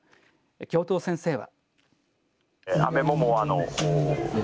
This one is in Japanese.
教頭先生は。